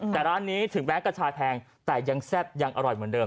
แต่ร้านนี้ถึงแม้กระชายแพงแต่ยังแซ่บยังอร่อยเหมือนเดิม